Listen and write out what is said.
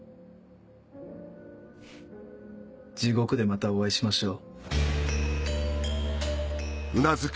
地獄でまたお会いしましょう。